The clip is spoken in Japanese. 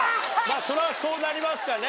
そりゃそうなりますかね。